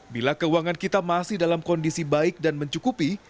bila keuangan kita masih dalam kondisi baik dan mencukupi